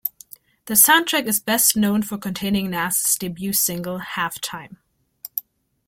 The soundtrack is best known for containing Nas's debut single "Halftime".